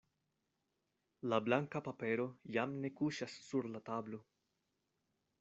La blanka papero jam ne kuŝas sur la tablo.